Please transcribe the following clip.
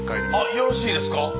よろしいですか？